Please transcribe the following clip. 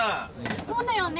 そうだよね